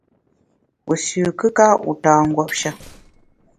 Wu sü kùka, wu ta nguopshe.